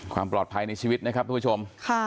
ความปลอดภัยในชีวิตนะครับทุกผู้ชม